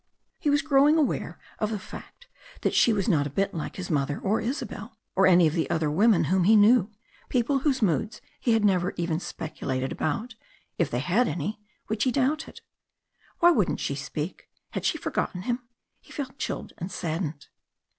He was growing aware of the fact that she was not a bit like his mother, or Isabella, or any of the other women whom he knew people whose moods he had never even speculated about if they had any which he doubted. Why wouldn't she speak? Had she forgotten him? He felt chilled and saddened.